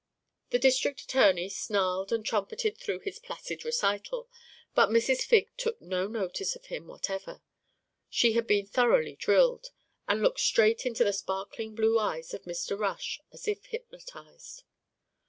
The district attorney snarled and trumpeted throughout this placid recital, but Mrs. Figg took no notice of him whatever. She had been thoroughly drilled, and looked straight into the sparkling blue eyes of Mr. Rush as if hypnotised.